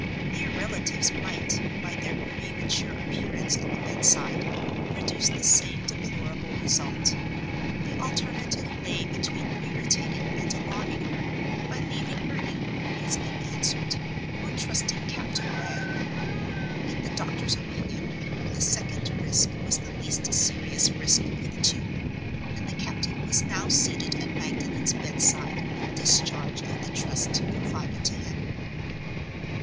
Near relatives might, by their premature appearance at the bedside, produce the same deplorable result. The alternative lay between irritating and alarming her by leaving her inquiries unanswered, or trusting Captain Wragge. In the doctor's opinion, the second risk was the least serious risk of the two—and the captain was now seated at Magdalen's bedside in discharge of the trust confided to him.